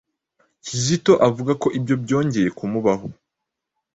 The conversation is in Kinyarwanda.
Kizito avuga ko ibyo byongeye kumubaho